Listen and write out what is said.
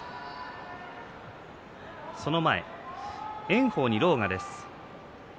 その前、炎鵬に狼雅です。